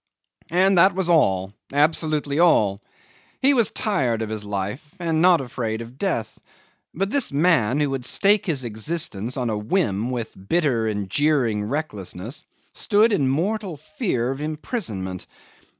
And that was all absolutely all. He was tired of his life, and not afraid of death. But this man, who would stake his existence on a whim with a bitter and jeering recklessness, stood in mortal fear of imprisonment.